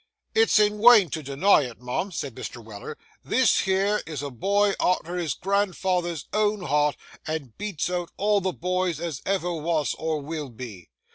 'It's in wain to deny it, mum,' said Mr. Weller, 'this here is a boy arter his grandfather's own heart, and beats out all the boys as ever wos or will be.